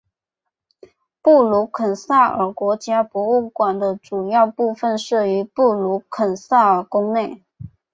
布鲁肯撒尔国家博物馆的主要部分设于布鲁肯撒尔宫内。